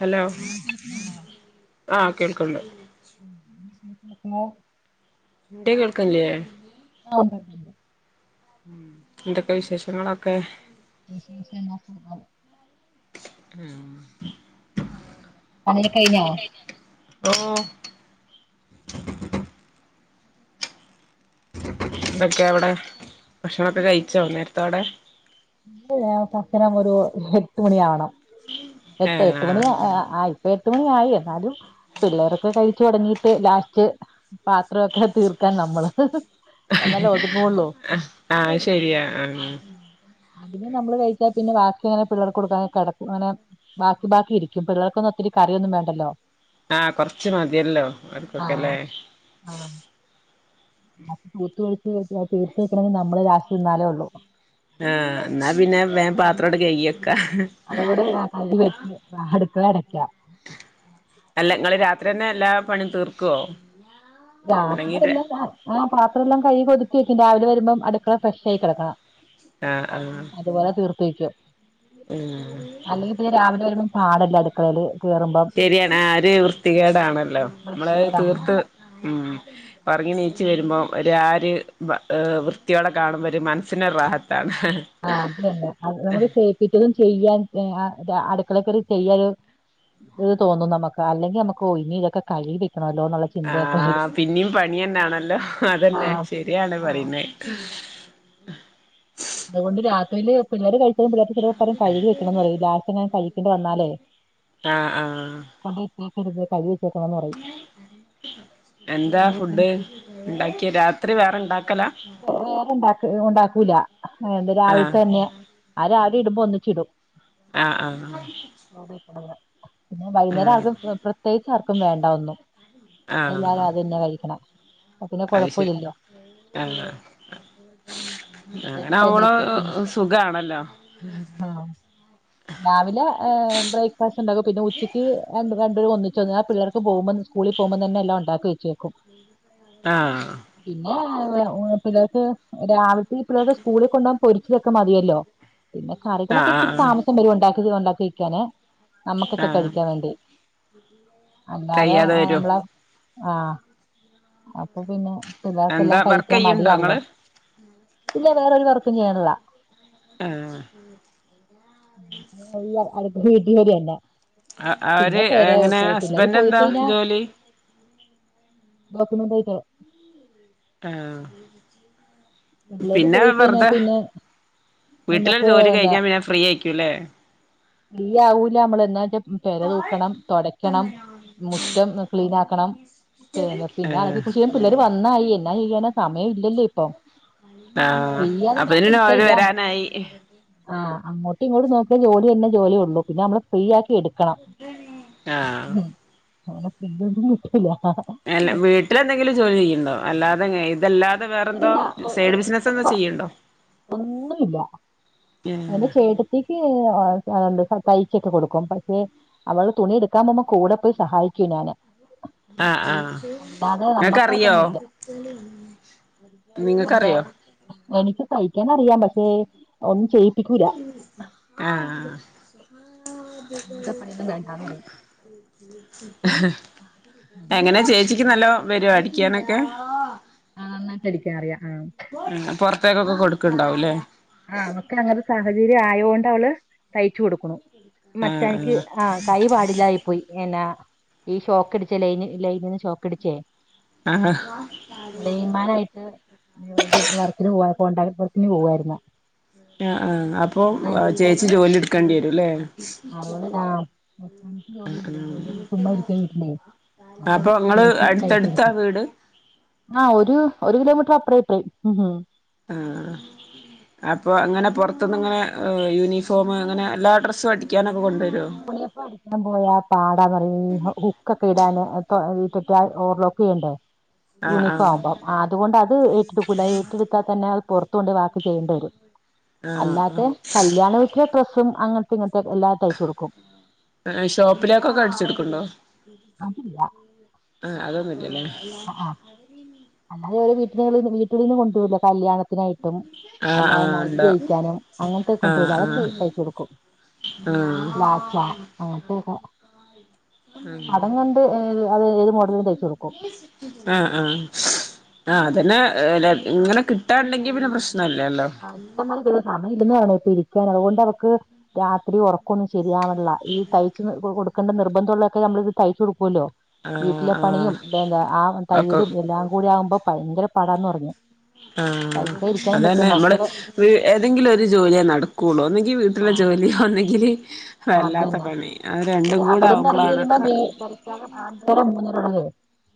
Hello ആഹ്, കേൾക്കണ്ട്. [inaudible] ഇന്റത് കേൾക്ക്ല്ലേ? ആഹ്, ഉണ്ട്ണ്ട് എന്തൊക്കെ വിശേഷങ്ങളൊക്കെ? വിശേഷണങ്ങൾ സുഖം. ഉം. പണിയൊക്കെ കഴിഞ്ഞോ? [inaudible] ഓഹ്. [inaudible] എന്തൊക്കെയ അവിടെ? ഭക്ഷണക്കെ കഴിച്ചോ? നേരത്തെ അവിടെ? ഇല്ലല്ല [unintelligible] ഒരുഎട്ട് മണി ആണം. എട്ട് എട്ട് ആഹ് മണി ആയി. എട്ടു മണിയായി എന്നാലും പിള്ളേരൊക്കെ കഴിച്ചു തുടങ്ങിയിട്ട് ലാസ്റ്റ്. പാത്ര ഒക്കെ തീർക്കാൻ നമ്മള. എന്നല്ലേ ഒതുങ്ങുള്ളൂ. ആഹ് അഹ് ശരിയാ. ആ അതിനെ നമ്മള് കഴിച്ചാൽ പിന്നെ ബാക്കി അങ്ങനെ പിള്ളേർ കൊടുക്കാതെ കടക്കും അങ്ങനെ. ബാക്കി ബാക്കി ഇരിക്കും. പിള്ളേർക്കൊന്നും ഒത്തിരി കറിയൊന്നും വേണ്ടല്ലോ? ആഹ് കൊറച്ച് മതിയല്ലോ അവർക്കൊക്കെല്ലേ? ആഹ് ആ തൂത്തൊഴിച്ച് തീർച്ച വെക്കണെങ്കിൽ നമ്മള് രാസ്റ്റ് നിന്നാലേ ഉള്ളു. ആഹ് എന്നാ പിന്നെ വേം പാത്രണ്ട്‌ കൈകി വെക്കാ. [inaudible] അല്ല നിങ്ങള് രാത്രി തന്നെ എല്ലാ പണിയും തീർക്കുവോ? അല്ലെങ്കി രാത്രിയ എല്ലാം ആ പാത്രമ എല്ലാം കഴുകി ഒതുക്കി വെക്കും. രാവിലെ വരുമ്പോം അടുക്കള ഫ്രഷ് ആയി കിടക്കണം. ആഹ് ആഹ് അതുപോലെ തീർത്തുവെക്കോ? [inaudible] അല്ലെങ്കിൽപിന്നെ രാവിലെ വരുമ്പോൾ പാടല്ലെ കേറുമ്പോ. ശരിയാണ് ആ ഒര് വൃത്തികേടാണല്ലോ നമ്മളത് വൃത്തികേടാണ് തീർത്. ഒറങ്ങി നീച് വരുമ്പോം ഒരാരു വൃത്തിയോടെ കാണുമ്പോ ഒരു മനസ്സിനൊരുറാഹത്താണ്. [inaudible] ഇത് തോന്നും നമക്ക് അല്ലങ്കി നമക്ക് ഒഴിഞ്ഞ് ഇതൊക്കെ കഴി ആഹ് പിന്നെയും പണിയെന്നാണല്ലോ ആ അതെന്നെ പി- ശരിയാണ് ആ പറയുന്നേ. അതുകൊണ്ട് രാത്രിയില് പിള്ളേര് കഴിച്ചാലും പിള്ളേർക്ക് ചിലപ്പോൾ പറയും കഴുകി വെക്കണം എന്ന് പറയും ലാസ്റ്റ് ഞാൻ കഴിക്കേണ്ടി വന്നാലേ ആഹ് ആഹ് [inaudible] എന്താ അല്ലെ പിന്നെ ഫുഡ്. ഉണ്ടാക്കിയ രാത്രി വേറെ ഇണ്ടാക്കല? വേറെണ്ടാക്ക ഉണ്ടാക്കൂല എന്ത ആ രാവിലത്തെന്നെ ആഹ് രാവിലെ ഇടുമ്പോ ഒന്നിച്ചിടും. ആഹ് ആഹ് ആഹ് പിന്നെ വൈന്നേരം ആർക്കും പ്രത്യേകിച്ച് ആർക്കും വേണ്ട ഒന്നും. എല്ലാരും അതെന്നെ കഴിക്കണം. അഹ്ശരി ആഹ് അങ്ങനെ ഉച്ചത്തേക്കും അവളോ വൈകുന്നേരത്തേക്കും ഒന്നിച്ച് സുഖാണല്ലോ രാവിലെ ഏഹ് ബ്രേക്ക്ഫാസ്റ്റ് ഉണ്ടകും പിന്നെ ഉച്ചയ്ക്ക് രണ്ടു രണ്ടുപേര് ഒന്നിച്ചൊന്നു ആഹ് പിള്ളേർക്ക് പോകുമ്പോന്ന് സ്കൂളി പോകുമ്പതന്നെ എല്ലാം ഉണ്ടാക്കിവെ ആഹ് പിന്നെ പിള്ളേർക്ക് രാവി ഈ പിള്ളേർക്ക് സ്കൂളി കൊണ്ടകാൻ പൊരിച്ചതക്കെ മതിയല്ലോ പിന്നെ ആ കറികളൊക്കെ ആ ഇച്ചിരി താമസി ആ ച്ചെന്തെലും ഉണ്ടാക്കി ഉണ്ടാക്കി വെക്കാന നമ്മക്കൊക്കെ ആ കഴിക്കാൻ വേണ്ടി അല്ലാതെ കഴിയാതെ വരോ നമ്മളെ ആഹ് അപ്പൊ പിന്നെ എന്താ പിള്ളേർക്കെല്ലാം വർക്ക് കഴിക്കാൻ ചെയ്യ്ണ്ടോ മടിയാണ്ല്ലോ. ഇങ്ങള് ഇല്ല വേറ ഒരു വർക്കും ചെയ്യണില്ല. ആഹ് ഇല്ല അടുക്ക് വീട്ടിൽ വരില്ല അവര് പിന്നെ പൊരേ എങ്ങനെ പോ പിള്ളേർ ഹസ്ബൻഡ് എന്താ പോയിക്കഴിഞ്ഞാ ജോലി ഡോക്യുമെന്റ്യിട്ടോ ആഹ് പിള്ളേര് പിന്നെ പോയി കഴിഞ്ഞാ വെറുതെ പിന്നെ വീട്ടിലൊരു ജോലി കഴിഞ്ഞാ പിന്നെ ഫ്രീ ആയിരിക്കൂല്ലേ. ഇല്ല്യ ആവൂല നമ്മൾ ന്ന്വെച്ച പെര തൂക്കണം തൊടയ്ക്കണം മുറ്റം ക്ലീൻ ആക്കണം പിന്ന പിന്നെ ആഹ് അതൊക്കെ കൃഷി ചെയ്യാൻ പിള്ളേര് വന്നായി എന്നാ ചെയ്യാന സമയം ഇല്ലല്ലേ ഇപ്പ ആഹ് അപ്പൊതിന് അവര് ഇരിക്കയില്ല വരാനായി. ആഹ് അങ്ങോട്ടും ഇങ്ങോട്ടും നോക്കിയ ജോലിയെന്നെ ജോലിയൊള്ളൂ പിന്നെ നമ്മള് ഫ്രീ ആക്കി എടു ക്കണം ആഹ് ഉം അങ്ങനെ പിന്നന്നും കിട്ടുല്ല. അല്ല വീട്ടിലെന്തെങ്കിലും ജോലി ചെയ്യണ്ണ്ടോ അല്ലാതെങ്ങ ഇതല്ലാ ല്ലാതെ വേറെന്തോ ഇല്ല ഒ- ഒരു സൈഡ് ബിസിനസ് ഒരു എന്താ വ- ചെയ്യണ്ടോ ഒന്നുമില്ല പിന്നെ റ്റക്ക് എന്ത തയ്ക്കൊക്ക കൊടുക്കും പക്ഷെ അവള് തുണി എടുക്കാൻ പോകുമ്മ കൂടെ പോയി സഹായിക്കും ഞാന് ആഹ് ആഹ് അല്ലാതെ നിങ്ങക്കറിയോ? നമ്മക്കായിട്ടൊന്നുമില്ല ഉമ്മോ എനിക്ക് തയ്ക്കാനറിയാം പക്ഷെ ഒന്നും ചെയ് ആഹ് അങ്ങനത്തെ പണിയൊന്നും വേണ്ടാന്ന് പറയും. ഉം. എങ്ങനെ ചേച്ചിക്ക് നല്ലോ വരുവോ അടിക്കാനൊക്കെ ആഹ് നന്നായിട്ടടിക്കാനറിയാ ആഹ് ഉം പൊറത്തേക്കൊക്കെ കൊട്ക്കണ്ടാവുല്ലേ ആഹ് അവക്കെ അങ്ങനൊരു സാഹചര്യം ആയോണ്ട് അവള് തയ്ച്ചോടുക്കുണു മച്ചാനക്ക് ആഹ് ആഹ് കൈ പാടില്ലായി പോയി എന്നാ ഈ ഷോക്കടിച്ചേ ലൈന് ലൈനിന്ന് ഷോക്കടിച്ചേ. ആഹ് ലൈൻമാനായിട്ട് യ്യോത് വർക്കിന് പോ കോൺണ്ടാക്ട് വർക്കിന് പോവുവാരുന്നു. അഹ് ആഹ് അപ്പ് പ്പൊ സ്റ്റോപ്പ് ചേച്ചി എടുത്തു ജോലി എടുക്കേണ്ടി വരുംല്ലേ ഉം. അപ്പം അപ്പൊ ങ്ങള് ചേച്ചി അടുത്തടുത്താ തയ്ച്ചെടുക്കും വീട് ആ ഒരു ഒരു കിലോമീറ്റർ അപ്രെ ഇപ്രേ ഉം. ഉം. അപ്പൊ അങ്ങനെ പുറത്തുനിന്ന് ഇങ്ങെ യൂണിഫോം ഇങ്ങനെ എല്ലാ ഡ്രസ്സും അടിക്കാനൊക്കെ കൊണ്ടെ ണിയ പാട് ഞാൻ പോയാ പാടാ മറി ഹുക്കൊക്കെ ഇടാൻ വീറ്റൊറ്റ ആ ഓർലോക്കെ ചെയ്യണ്ടേ ആഹ് ആഹ് യൂണിഫോം അം അതുകൊണ്ട് അത് ഏറ്റെടുക്കൂല്ല ഏറ്റെടുത്താൽ തന്നെ അത് പുറത്തുണ്ട് വാക്ക് ചെയ്യേണ്ട വരും ആഹ്‌ ആഹ്‌. അല്ലാത്തെ കല്യാണ ഡ്രസ്സും അങ്ങനത്തെ ഇങ്ങനത്തെ എല്ലാത്തയച്ച കൊടുക്കും ആ ഷോപ്പിലേക്കൊക്കെ അടിച്ചെടുക്കണ്ടോ അതില്ല ആഹ അതൊന്നുംല്ലല്ലേ ഇല്ലാ. ആ അല്ലാതെ ഓ വീട്ട വീട്ടിൽന്നന്ന് കൊണ്ടുവരല്ലോ കല്യാണത്തിനായിട്ടും ആഹ് അല്ലാതെ ആഹ് നൈറ്റ് ഉണ്ടാവും തയ്ക്കാനും അങ്ങനത്തെ കൊണ്ടു പോലെ അതൊക്കെ തയ്ചോട്ടുക്കും ആഹ്‌. ലാച്ച അങ്ങനത്തെൊക്കെ ഉം അതങ്ങനെണ്ട് ഏ അത് ഏത് മോഡലും തയ്ച്ചു കൊടുക്കും ആഹ്‌ ആഹ് ആ അതന്നെ ലെ ഇങ്ങനെ കിട്ടാണ്ടെങ്കി പിന്നെ പ്രശ്നല്ലേല്ലോ ആ ഇഷ്ടമാതിെ സമയ ഇടുന്നാണോ ഇപ്പൊ ഇരിക്കാൻ അതുകൊണ്ട് അവക്ക് രാത്രി ഉറ കൊന്നും ശരിയാവള്ള ഈ തയ്ച്ച് കൊടുക്കേണ്ട നിർബന്ധമുള്ളതൊക്കെ നമ്മള ഇത് തയ്ച്ചു കൊടുക്കൂല്ലോ ആഹ് വീട്ടിലെ ആഹ് പണിയും എന്താ ആ ഒക്കെ തൈരും എല്ലാം കൂടി ആകുമ്പോ ഭയങ്കര പടന്ന് പറഞ്ഞു പൈസ ഇരിക്കാ പറ്റുമ വ ഏതെങ്കിലും ഒരു ജോലിയേ നടക്കുള്ളൂ അന്നെങ്കിൽ വീട്ടില ആ ജോലി ഒന്നെങ്കില് അതന്നെ വല്ലാത്ത പണി അത് രണ്ടും കൂടെ ആവുമ്പോളാണൊക്കെ മൂന്നര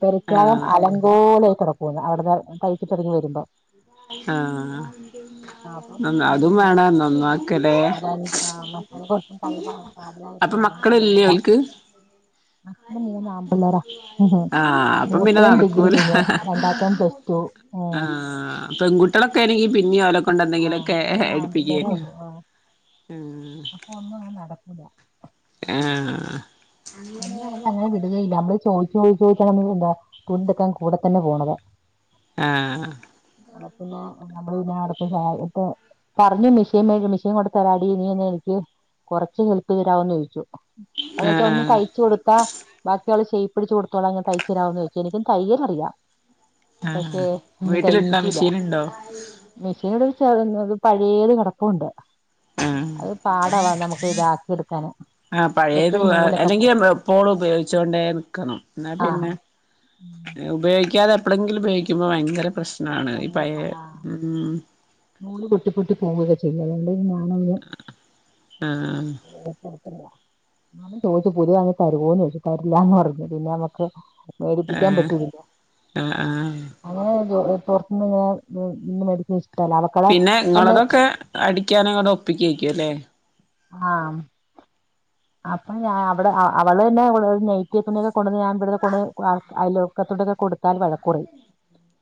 പൊല ആഹ് [unintelligible] അതുപോലെ കിട പോന്ന് അവിടുന്ന് തയ്ച്ചിട്ടി ഇറങ്ങി വരുമ്പോ ആഹ്‌. ആ അപ്പം അ ആ അതും നീയുണ്ട് വേണ നന്നാക്കലേ കയ പാടതപ്പോ അപ്പൊ അതോണ്ട് ഭയങ്കര മക്കളില്ലേ ഇല്ല ഓൽക്ക് മ മൂന്ന് ആമ്പല്ലോറ ഉ ആഹ് അപ്പം പിന്നെ മൂത്തം ഡിഗ്രി നടക്കൂല കഴിഞ്ഞു രണ്ടാമത്ത പ്ലസ്ടു ആഹ പെൺകുട്ടളൊക്ക ആണെങ്കിൽ പിന്നെയല കൊണ്ട ആ എന്തെങ്കിലൊക്കെ മൂന്ന് ആമ്പിള്ളേരേ എടുപ്പിക്കെനി. ഒന്നു അങ് നടക്കൂല ഏഹ്‌. എന്ന അങ്ങനെ വിടുകയില്ല നമ്മള് ചോദിച്ചു ചോയിച്ച ചോദിച്ചാൽ നമ്മ വിട. കൂണെടുക്കാൻ കൂടെ തന്നെ പോണതാ ആഹ് [unintelligible] നമ്മള് പിന്നെ [inaudible] പറഞ്ഞു മെഷീൻ മേ മെഷീൻ കൊടുത്തരാടി നിയൊന്ന് എനിക്ക് കൊറച്ച് ഹെൽപ്പ് തരവോന്ന് ചോദിച്ചു അത് വെച്ച ഒന്ന് ആഹ് തയ് ച്ച് കൊടുത്താ ബാക്കിയൊള്ള ഷേയ്പ്പടിച്ച് കൊടുത്തോള അങ്ങന തയ്ച്ചരാവോന്ന് ചെയ്ച്ച് എനിക്കും തയല്ലറിയാം പഷേ ആഹ് ഞാ വീട്ടിലുണ്ടോ തയിപ്പിക്കൂല മെഷീനുണ്ടോ മെഷീൻ [unintelligible] പഴേത് കെടപ്പോണ്ട് ആഹ് അത് പാടാവാ നമുക്ക് ഇതാക്കി എടുക്കാന് എപ്പോഴും നൂലൊക്കെ പോം പ്പോളുപയോഗിച്ചു കൊണ്ടേ നിക്കണം എന്നാ പിന്നെ ആഹ് ഉപയോഗിക്കാതെ എപ്പളെങ്കിലും ഉപയോഗിക്കുമ്പോ ഭയങ്കര പ്രശ്നാണ് ഈ പഴേയെ ഉം നുല് പൊട്ടിപ്പൊട്ടി പോവുകക്കെ ചെയ്യും അതുകൊണ്ട് ഞാനൊന്ന് ആഹ് ഓഹ് ഞാനും ചോയ്ച്ചു പുതിയ തരുവോന്ന് ചോയിച്ചു തരില്ലന്ന് പറഞ്ഞു പിന്നെ നമ്മക്ക് മേടിപ്പിക്കാൻ ആഹ് പറ്റുലല്ലോ ആഹ് ആഹ് അങ്ങനെ ജോ പൊറത്തുന്ന് ഞാൻ ന്ന് മേടി [unintelligible] പിന്നെ ഇങ്ങളതൊക്കെ അടിക്കാനങ്ങോട്ട് ഒപ്പിയ്ക്കാക്കുലേ ആമ് അപ്പോ ഞാൻ അവടെ അവള്ന്നെ നെയ്റ്റി തുണിയൊക്കെ കൊട്ന്ന് ഞാൻ ഇവിടുന്ന് കൊ ഐലോക്കത്തോടൊക്കെ കൊടുത്താൽ വഴക്കൊറയും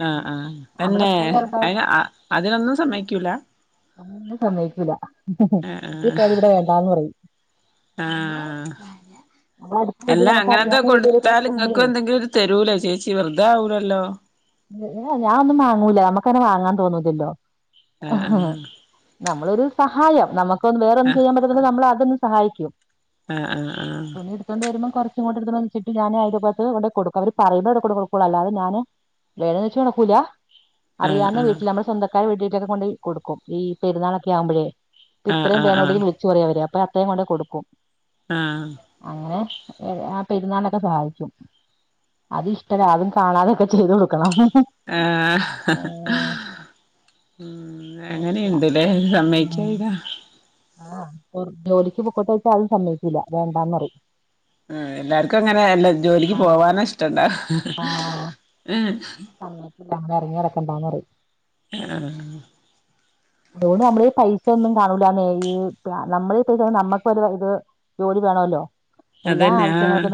ആഹ് ആഹ് തന്നെ അതിന് അതിനൊന്നും സമ്മയിക്കൂല ഒന്നിനും സമയിക്കുലാ ആഹ് ആഹ് [unintelligible] ഇവിടെ വേണ്ടാന്ന് പറയും ആഹ് നമ്മള അടുത്ത അല്ല വീട്ടിൽ നമുക്ക് അങ്ങനെന്തോ അറിയാവുന്ന വീട്ടുകാരൊക്കെ കൊടുത്താൽ ഇങ്ങക്കും കൊടുക്കുമ്പോഴേ എന്തെങ്കിലൊരു തരൂലേ ചേച്ചി വെറുതെ ആവൂലല്ലോ ഏഹ് ഞാ ഒന്നും മാങ്ങൂല നമ്മുക്കന്നെ വാങ്ങാൻ തോന്നൂലല്ലോ ആഹ് നമ്മളൊരു സഹായം നമുക്കൊന്ന് വേറൊന്നും ആഹ് ചെയ്യാൻ പറ്റുന്ന നമ്മള അതൊന്ന് സഹായിക്കും ആഹ് ആഹ് ആഹ് തുണിയെടുത്തൊണ്ട് വരുമ്പോ കൊറച്ചിങ്ങോട്ട് എടുന്ന് വെച്ചട്ട് ഞാന് അയിലോകത്ത് കൊണ്ടെകൊടുക്കും അവര് പറയ്ബോ കൊടുകുള്ളു അല്ലാതെ ഞാന് [unintelligible] വെച്ച് കൊടുക്കൂല ആഹ് അറിയാന്ന ആഹ് വീട്ടിൽ നമ്മള് സ്വന്ത ക്കാരെ വെട്ടിട്ടൊക്കെ കൊണ്ടേയ് കൊടുക്കും ഈ പെരുന്നാളൊക്കെ ആവുമ്പഴേ ഇപ്പ ഇത്രം ആഹ് ആഹ് ആഹ് ആഹ് വേണോടി വി ളിച്ചുറയും അവര് അപ്പോ അത്രേം കൊണ്ടെ കൊടുക്കും. ആഹ് അങ്ങനെ ആഹ് പെരുന്നാള്ന്നൊക്കെ സഹായിക്കും അത് ഇഷ്ടല്ല അതും കാണാതൊക്കെ ചെയ്തു കൊടുക്കണം. ആഹ് മ്മ് അങ്ങനെയിണ്ട്ലേ ഉം സമ്മയിക്കായികാ ആഹ് പൊർ ജോലിക്ക് പൊക്കോട്ട് വെച്ചാ അതും സമ്മയിക്കുല വേണ്ടന്ന്റയും ആഹ് എല്ലാർക്കും അങ്ങനെ എല്ല ജോലിക്ക് ആഹ് പോവാന ഇഷ്ട്ടണ്ടാ സമ്മയികുല അങ്ങനെ എറങ്ങി നടക്കണ്ട പറയും ആഹ് അതുകൊണ്ട് നമ്മടെ കൈയിൽ പൈസയ ഒന്നും കാണൂല്ലന്നേ ഈ നമ്മള പൈസ നമ്മക്ക് ഒരു ഇത് ജോലി വേണോലോ അതെന്നെ ആഹ്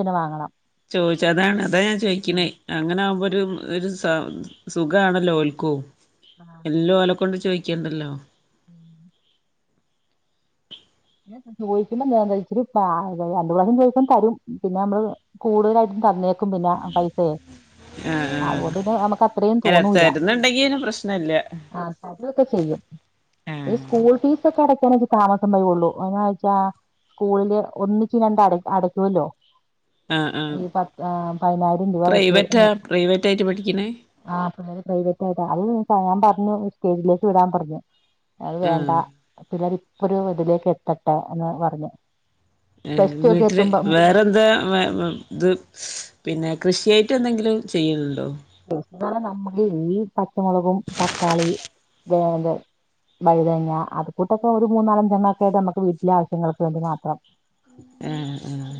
തന്നെ വാങ്ങണം ചോയിച്ച അതാ അതാണ് ഞാൻ ഉം ചോദിക്കണേ അങ്ങനെ ആവുമ്പോ ഒരു സ സുഖാണല്ലോൽക്കു എല്ലോല കൊണ്ട് ചോയിക്കണ്ടല്ലോ ഉം പിന്നെ ചോയിക്കുമ്പോ [unintelligible] രണ്ട് പ്രശ്യം ചോയ്ക്കുമ്പം തരും പിന്നെ നമ്മള് കൂടുതലായിട്ടും തന്നേക്കും പിന്നെ പൈസയേ ആഹ് ആഹ് അതുണ്ട്ന്നെ നമുക്കത്രയും അല്ല തോന്നൂലാ തരുന്നുണ്ടെങ്കി പിന്നെ പ്രശ്നല്ല ആഹ് തരുവേക്കെ ചെയ്യും ഈ ആഹ് സ്കൂൾ ഫീസൊക്കെ അടക്കാണെങ്കി താമസം വരുവൊള്ളൂ എങ്ങനാവെച്ചാ സ്കൂളില് ഒന്നിച്ചിരണ്ട് അട അടക്കുലോ ആഹ് ഈ പത്ത് ഹ് പതിനായിരം രൂവ വെച്ച് പ്രൈവറ്റാ പ്രൈവറ്റ് ആയിട്ട് പഠിക്കണേ ആ പിള്ളേർ പ്രൈവറ്റായിട്ടാ അത് ഞാൻ പറഞ്ഞു സ്റ്റേജിലേക്ക് വിടാൻ പറഞ്ഞു അത് വേണ്ട ആഹ് പിള്ളേര് ഇപ്പൊ ഒരു ഇതിലേക്ക് എത്തട്ടെ എന്ന് പറഞ്ഞു പ്ലസ് ടു ഒക്കെ വീട്ടില് എത്തുമ്പം വേറെന്താ വേ ഇത് സ് പിന്നെ കൃഷിയായിട്ടെന്തെങ്കിലും ചെയ്യുന്നുണ്ടോ കൃഷി നമ്മള് ഈ പച്ചമൊളകും തക്കാളി വേലെ വഴുതനങ്ങ അത്കൂട്ടൊക്കെ ഒരു മൂന്നാലഞ്ചേണ്ണകായിട്ട് നമക്ക് വീട്ടിലെ ആവശ്യങ്ങക്ക് വേണ്ടി മാത്രം ആഹ് ആഹ്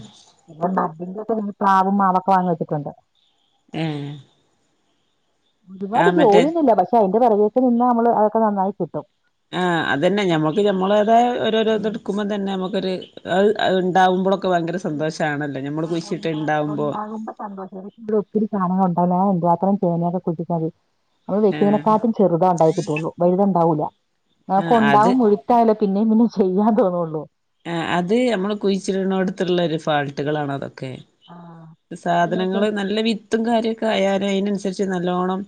പിന്നെ ന്റെക്കെ പ്രാവും മാളോക്കെ വാങ്ങി വെച്ചിട്ടുണ്ട് ഏ ഏ ഒരുപാട് മറ്റേ ജോലിയൊന്നുല്ല പഷേ അതിന്റെ പൊറകൊട്ട് നിന്നാ നമ്മള് അതൊക്കെ നന്നായി കിട്ടും.. ആ അതന്നെ ഞമ്മക്ക് ഞമ്മളേതായ ഓരോരോ ത്ടുക്കുമ്പോ തന്നെ നമുക്കൊരു. ഹ്ഹ്. ഉണ്ടാവുമ്പോളൊ ക് ഭയങ്കര സന്തോഷണല്ലോ ഞമ്മള് കുയിച്ചിട്ട്ണ്ടാവുമ്പോ അപ്പ സന്തോഷറി ഗ്രൂപ്പിൽ സാനങ്ങൾ ആഹ് [unintelligible] ചെറുതാണ്ടായ്ട്ട് തോന്നും വലുത്ണ്ടാവൂല ആഹ് അത് ഞങ്ങക്കുണ്ടാവും ഒയ് റ്റായാലോ പിന്നെപിന്നെ ചെയ്യാൻ തോന്നൊള്ളൂ. ആഹ് അത് ഞമ്മള് കുയ്ച്ച്ട്ണോട്ത്ത്ള്ള ഒര് ഫാൾട്ടുകളാണ് അതൊക്കെ ആഹ് ഇതിനൊക്കെ സാധനങ്ങള് ന്നല്ലേവിത്തും കാര്യയൊക്കെ ആയാല് അയ്നനു സരിച് ന്നല്ലോണം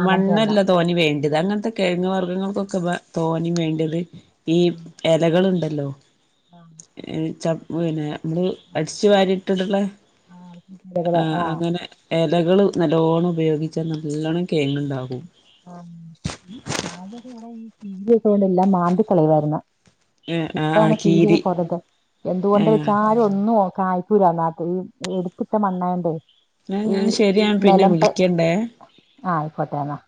മണം ചേരണം തോനിവേണ്ടത് അങ്ങൻത്തെ കിഴങ്ങ്ർഗ്ഗങ്ങൾക്കൊക്കെ തോനെ വേണ്ടത് ഈ ഉം എലകള്ണ്ടല്ലോ ആഹ് ഈ ചപ്പ്പിന്നെ മ്മള് അടിച്ചു വാരിട്ട്ട്ട്ള്ള ആഹ് ഇലകള് ആഹ് അങ്ങനെ എലകൾ ന്നല്ലോണ്ണം ഉപയോഗിച്ചാൽ ന്നല്ലോണം കെയങ്ങ്ണ്ടാകും ആഹ് ആദ്യോക്കെഞാ ഇവിടെ ഈ ടി വി ഇവിടെല്ലാം മാന്തികളയായിരുന്നു ഏ ആ ഇപ്പഴാണ് കീരി റ്റിവിയോക്കെ കുറത് ഏ എന്തുകൊണ്ട് വെച്ചാലും ഒന്നും ഓർക്കാത് ക്കൂലല്ലാതെ ഈ, ഈ എടുക്കിട്ട മണ്ണായോണ്ടേ ഈ ന്നഞാൻ ശെരിയാൻ പിന്നെ നിലം വിളിക്കണ്ടേ ആഹ് അയ്ക്കോട്ടെന്ന